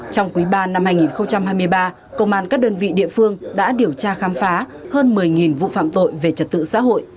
trong quý ba năm hai nghìn hai mươi ba công an các đơn vị địa phương đã điều tra khám phá hơn một mươi vụ phạm tội về trật tự xã hội